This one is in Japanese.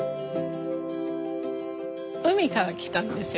海から来たんですよ。